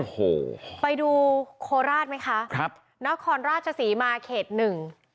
โอ้โหไปดูโคราชไหมคะครับนครราชศรีมาเขตหนึ่ง